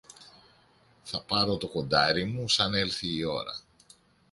Θα πάρω το κοντάρι μου, σαν έλθει η ώρα.